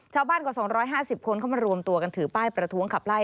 กว่า๒๕๐คนเข้ามารวมตัวกันถือป้ายประท้วงขับไล่